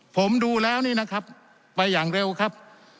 ผมดูแล้วนี่นะครับไปอย่างเร็วครับ